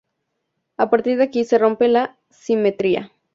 A partir de aquí se rompe la simetría.